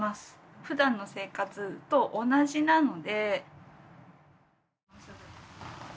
普段の生活と同じなので。